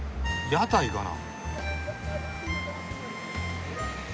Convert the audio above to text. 屋台かな？